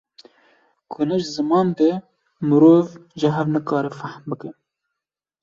Ku ne ji ziman be mirov ji hev nikare fehm bike